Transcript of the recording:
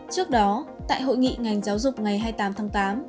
trước đó tại hội nghị ngành giáo dục ngày hai mươi tám tháng tám